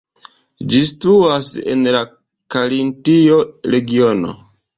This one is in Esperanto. Ĝi situas en la Karintio regiono.